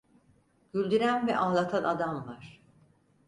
Güldüren ve ağlatan adam var…